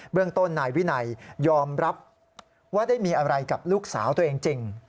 เรื่องต้นนายวินัยยอมรับว่าได้มีอะไรกับลูกสาวตัวเองจริง